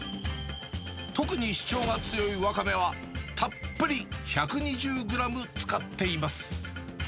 特に主張が強いワカメは、たっぷり１２０グラム使っています。